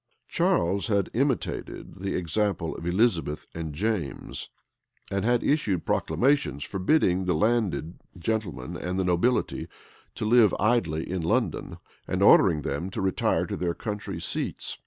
{1635.} Charles had imitated the example of Elizabeth and James, and had issued proclamations forbidding the landed gentlemen and the nobility to live idly in London, and ordering them to retire to their country seats.